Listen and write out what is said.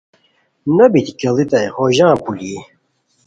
نو بیتی کیڑیتائے ہو ژان پولوئی